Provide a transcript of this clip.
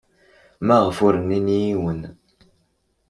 Maɣef ur nnin i yiwen?